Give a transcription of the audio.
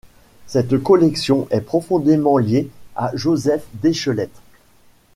Cette collection est profondément liée à Joseph Déchelette.